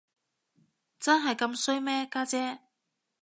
真係咁衰咩，家姐？